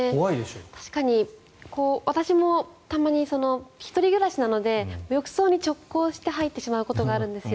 確かに１人暮らしなので浴槽に直行して入ってしまうことがあるんです。